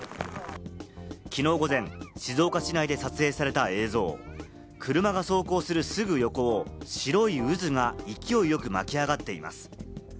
きのう午前、静岡市内で撮影された映像を車が走行するすぐ横を白い渦が勢いよく巻き上がっています。